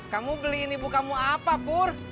kamu beliin ibu kamu apa pur